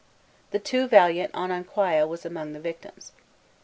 The too valiant Ononkwaya was among the victims.